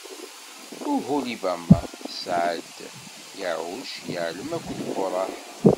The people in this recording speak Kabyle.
Uhulibama tesɛa-as-d: Yaɛuc, Yaɛlam akked Quraḥ.